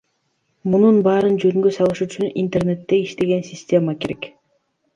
Мунун баарын жөнгө салыш үчүн интернетте иштеген система керек.